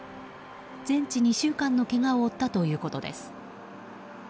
全治２週間のけがを負ったということです。